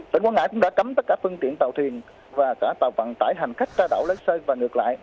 tỉnh quảng ngãi cũng đã cấm tất cả phương tiện tàu thuyền và cả tàu vận tải hành khách ra đảo lớn sơn và ngược lại